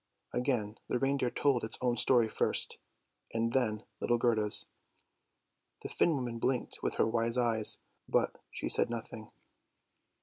Again the reindeer told his own story first, and then little Gerda's. The Finn woman blinked with her wise eyes, but she said nothing.